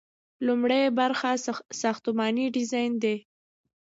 لومړی برخه ساختماني ډیزاین دی.